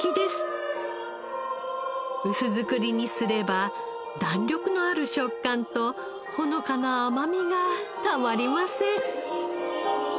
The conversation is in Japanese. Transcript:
薄造りにすれば弾力のある食感とほのかな甘みがたまりません。